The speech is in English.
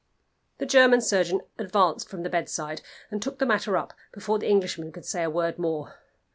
The German surgeon advanced from the bedside, and took the matter up before the Englishman could say a word more.